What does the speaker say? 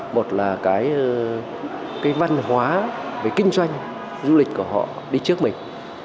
một là cái văn hóa về kinh doanh du lịch của họ đi trước mình